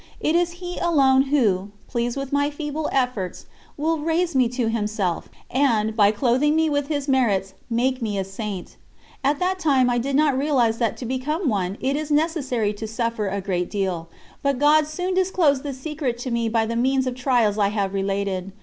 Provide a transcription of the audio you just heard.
It is He alone Who, pleased with my feeble efforts, will raise me to Himself, and, by clothing me with His merits, make me a Saint. At that time I did not realise that to become one it is necessary to suffer a great deal; but God soon disclosed this secret to me by means of the trials I have related.